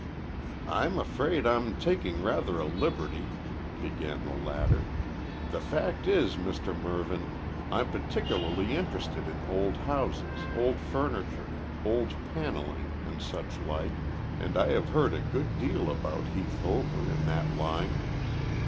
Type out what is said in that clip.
"I'm afraid I'm taking rather a liberty," began the latter. "The fact is, Mr Mervyn, I'm particularly interested in old houses, old furniture, old panelling, and such like, and I have heard a good deal about Heath Hover in that line.